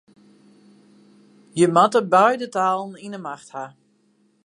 Je moatte beide talen yn 'e macht ha.